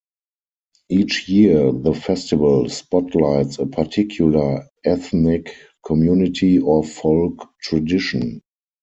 Each year, the festival spotlights a particular ethnic community or folk tradition.